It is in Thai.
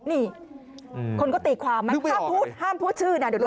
นี่คนก็ติดความห้ามพูดชื่อน่ะเดี๋ยวเรียนซอ